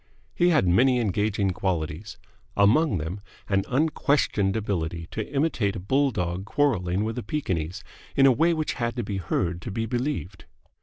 He had many engaging qualities among them an unquestioned ability to imitate a bulldog quarrelling with a Pekingese in a way which had to be heard to be believed.